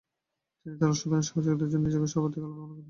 তিনি তার অসাধারন সাহসিকতার জন্য নিজেকে সবার থেকে আলাদা মনে করতেন।